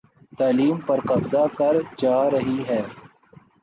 تعلیم پر قبضہ کر جا رہی ہے